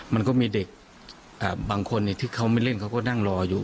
มันก็มีเด็กบางคนที่เขาไม่เล่นเขาก็นั่งรออยู่